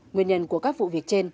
nguyên nhân của các vụ việc trên